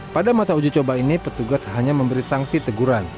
pada masa uji coba ini petugas hanya memberi sanksi teguran